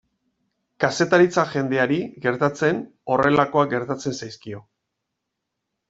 Kazetaritza jendeari gertatzen horrelakoak gertatzen zaizkio.